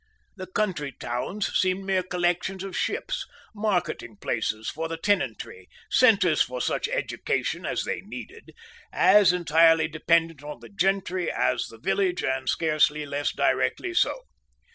The country towns seemed mere collections of ships, marketing places for the tenantry, centres for such education as they needed, as entirely dependent on the gentry as the village and scarcely less directly so.